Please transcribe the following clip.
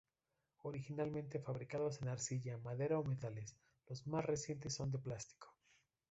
Originalmente fabricados en arcilla, madera o metales, los más recientes son de plástico.